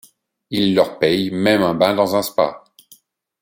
Il leur paye même un bain dans un spa.